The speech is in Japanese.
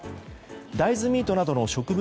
大豆ミートなどの植物